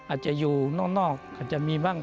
อาจจะอยู่นอกอาจจะมีบ้าง